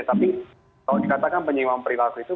tapi kalau dikatakan penyimpanan perlaku itu